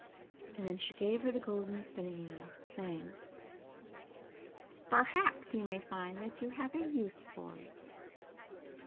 And then she gave her the golden spinning wheel, saying: "Perhaps you may find that you have a use for it."